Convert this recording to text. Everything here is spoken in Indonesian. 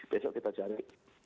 besok kita cari